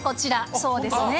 そうですね。